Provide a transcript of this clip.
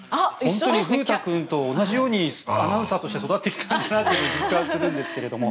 風太君と同じようにアナウンサーとして育ってきたなと実感するんですが。